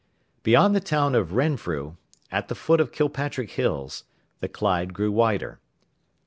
Beyond the town of Renfrew, at the foot of Kilpatrick hills, the Clyde grew wider.